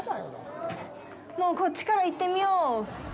もうこっちから行ってみよう。